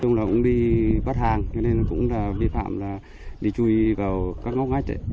xong là cũng đi bắt hàng cho nên cũng là vi phạm là đi chui vào các ngóc ngách